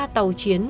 một mươi ba tàu chiến